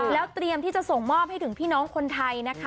แล้วเตรียมที่จะส่งมอบให้ถึงพี่น้องคนไทยนะคะ